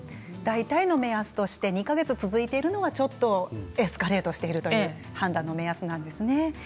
２か月続いているのはちょっとエスカレートしているということも判断の目安なんですね。